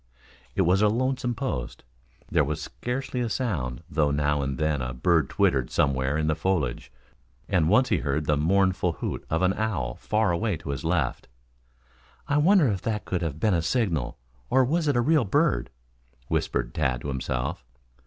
It was a lonesome post. There was scarcely a sound, though now and then a bird twittered somewhere in the foliage and once he beard the mournful hoot of an owl far away to his left. "I wonder if that could have been a signal, or was it a real bird," whispered Tad to himself.